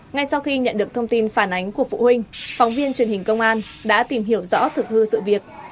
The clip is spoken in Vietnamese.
ngay sau khi nhận được thông tin phản ánh của phụ huynh phóng viên truyền hình công an đã tìm hiểu rõ thực hư sự việc